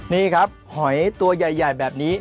นี่ครับหอยตัวใหญ่แบบนี้